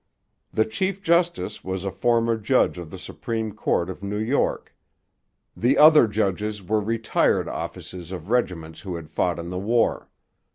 The chief justice was a former judge of the Supreme Court of New York; the other judges were retired officers of regiments who had fought in the war.